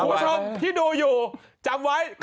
คุณผู้ชมที่ดูอยู่จำไว้